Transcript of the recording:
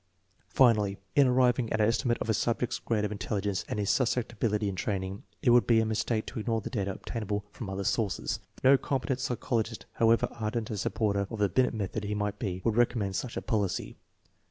Finally, in arriving at an estimate of a subject's grade of intelligence and his susceptibility to training, it would be a mistake to ignore the data obtainable from other sources. No competent psychologist, however ardent a supporter of the Binet method he might be, would recom mend such a policy.